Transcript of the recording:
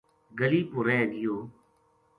گلی پو رہ گیو